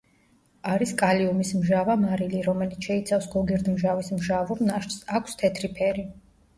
არის კალიუმის მჟავა მარილი, რომელიც შეიცავს გოგირდმჟავის მჟავურ ნაშთს, აქვს თეთრი ფერი.